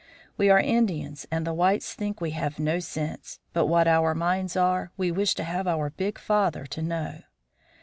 We are Indians and the whites think we have no sense; but what our minds are, we wish to have our big father know.